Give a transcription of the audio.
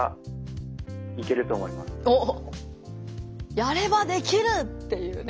「やればできる！」っていうね。